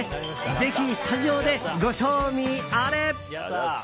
ぜひスタジオでご賞味あれ！